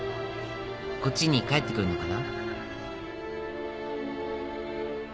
こっちに帰ってくるのかな？」